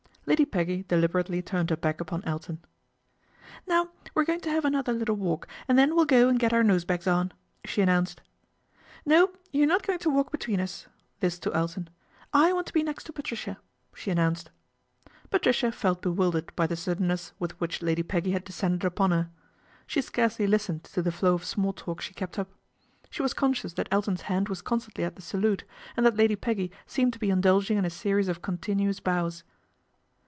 Lady Peggy deliberately turned her back upon aton. " Now we are going to have another little walk ind then we'll go and get our nosebags on," she innounced. " No, you're not going to walk Between us" this to Elton " I want to be next :o Patricia," she announced. Patricia felt bewildered by the suddenness with .vhich Lady Peggy had descended upon her. She scarcely listened to the flow of small talk she kept jp. She was conscious that Elton's hand was :onstantly at the salute, and that Lady Peggy seemed to be indulging in a series of continuous bows.